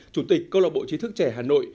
chủ tịch câu lạc bộ chí thức trẻ hà nội